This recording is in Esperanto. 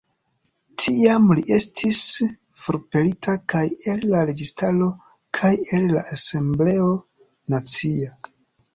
Tiam li estis forpelita kaj el la registaro kaj el la asembleo nacia.